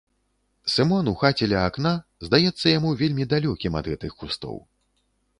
Сымон у хаце ля акна здаецца яму вельмі далёкім ад гэтых кустоў.